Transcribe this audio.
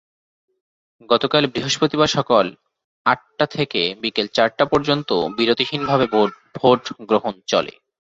গতকাল বৃহস্পতিবার সকাল আটাটা থেকে বিকেল চারটা পর্যন্ত বিরতিহীনভাবে ভোট গ্রহণ চলে।